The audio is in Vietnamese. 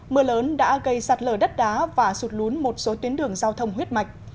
mưa lớn đã gây sạt lở đất đá và sụt lún một số tuyến đường giao thông huyết mạch